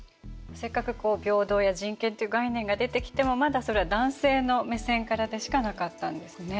せっかく平等や人権っていう概念が出てきてもまだそれは男性の目線からでしかなかったんですね。